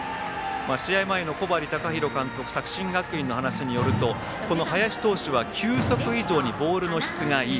試合前の小針崇宏監督、作新学院その話によると球速以上にボールの質がいい。